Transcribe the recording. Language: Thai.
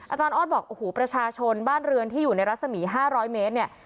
อาจารย์อทบอกประชาชนบ้านเรือนที่อยู่ในรัศมี๕๐๐เมตร